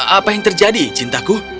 apa yang terjadi cintaku